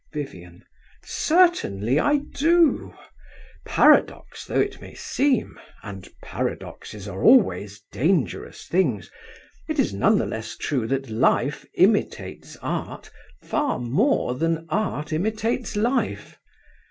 VIVIAN. Certainly I do. Paradox though it may seem—and paradoxes are always dangerous things—it is none the less true that Life imitates art far more than Art imitates life.